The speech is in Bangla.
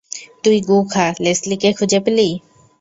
তুই গু খা লেসলিকে খুঁজে পেলি?